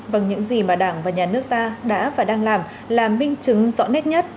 vâng những gì mà đảng và nhà nước ta đã và đang làm là minh chứng rõ nét nhất